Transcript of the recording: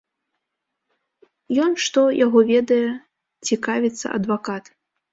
Ён што, яго ведае, цікавіцца адвакат.